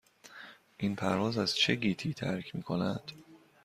این پرواز از چه گیتی ترک می کند؟